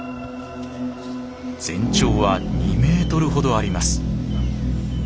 全長は２メートルほどあります。